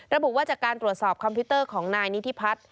ระบุว่าจากการตรวจสอบคอมพิวเตอร์ของนายนิธิพัฒน์